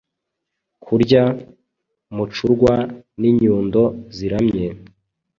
Kurya mucurwa n’inyundo ziramye,